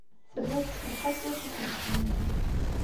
Telliḍ tessenqaseḍ-as i tmes-nni.